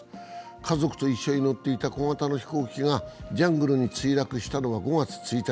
家族と一緒に乗っていた小型の飛行機が、ジャングルに墜落したのは５月１日。